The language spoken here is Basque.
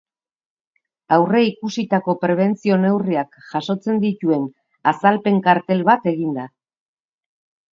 Aurreikusitako prebentzio-neurriak jasotzen dituen azalpen-kartel bat egin da.